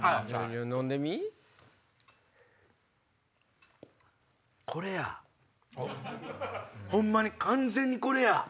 飲んでみ？ホンマに完全にこれや！